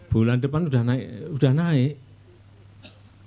bulan depan sudah naik